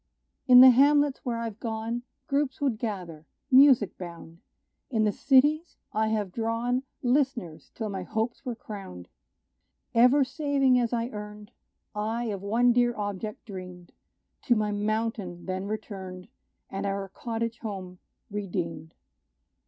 In the hamlets where I've gone, Groups would gather music bound: In the cities I have drawn List'ners till my hopes were crowned. Ever saving as I earned, I of one dear object dreamed; To my mountain then returned, And our cottage home redeemed.